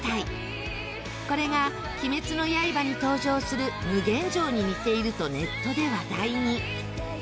これが『鬼滅の刃』に登場する無限城に似ているとネットで話題に。